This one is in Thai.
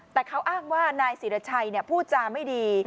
แต่เขาอ้างว่านายศิรชัยพูดจาไม่ดี